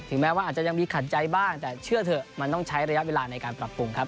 แม้ว่าอาจจะยังมีขัดใจบ้างแต่เชื่อเถอะมันต้องใช้ระยะเวลาในการปรับปรุงครับ